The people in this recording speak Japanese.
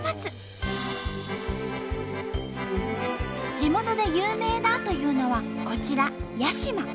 地元で有名だというのはこちら屋島。